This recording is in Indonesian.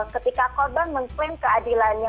ketika korban mengklaim keadilannya